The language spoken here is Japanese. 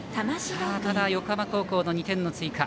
ただ、横浜高校の２点の追加。